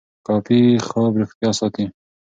کافي خوب روغتیا ساتي.